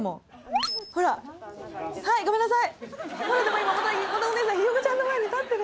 はいごめんなさい。